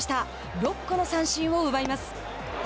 ６個の三振を奪います。